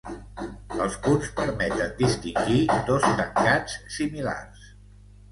Els punts permeten distingir dos tancats similars.